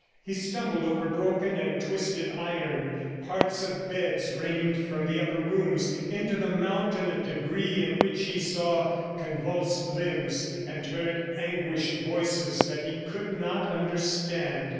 He stumbled over broken and twisted iron, parts of beds rained from the upper rooms into the mountain of debris in which he saw convulsed limbs and heard anguished voices that he could not understand.